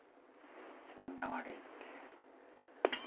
自分が悪いっていう。